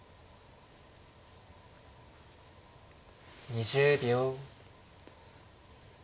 ２０秒。